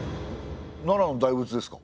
奈良の大仏ですか？